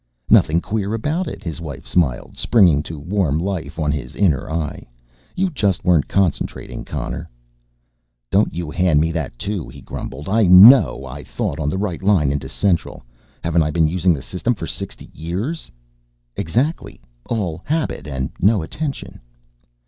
"Nothing queer about it," his wife smiled, springing to warm life on his inner eye. "You just weren't concentrating, Connor." "Don't you hand me that too," he grumbled. "I know I thought on the right line into Central. Haven't I been using the System for sixty years?" "Exactly all habit and no attention."